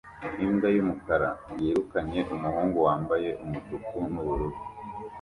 imbwa yumukara yirukanye umuhungu wambaye umutuku nubururu